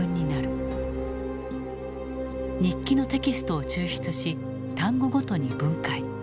日記のテキストを抽出し単語ごとに分解。